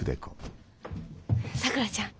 さくらちゃん。